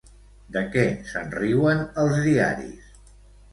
De què se'n riuen els diaris?